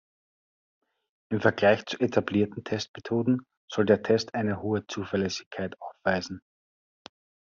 Im Vergleich mit etablierten Testmethoden soll der Test eine hohe Zuverlässigkeit aufweisen.